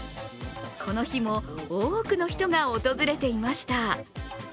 この日も多くの人が訪れていました。